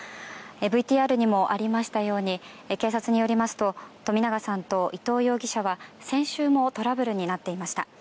ＶＴＲにもありましたように警察によりますと冨永さんと伊藤容疑者は、先週もトラブルになっていました。